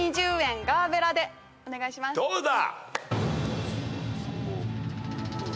どうだ？